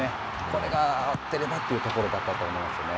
これが合っていればというところだと思いますね。